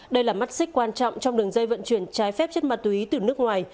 đây là mắt xích quan trọng trong đường dây vận chuyển trái phép chất ma túy từ nước ngoài